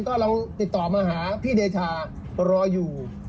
ก็เราติดต่อมาหาพี่เดชารออยู่